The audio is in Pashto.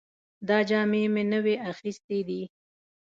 دا جامې مې نوې اخیستې دي